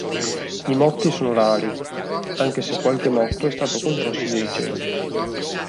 I motti sono rari, anche se qualche motto è stato concesso di recente.